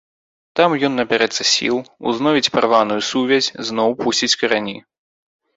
Там ён набярэцца сіл, узновіць парваную сувязь, зноў пусціць карані.